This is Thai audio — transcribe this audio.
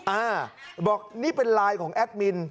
อ่าบอกนี่เป็นไลน์ของแอดมิน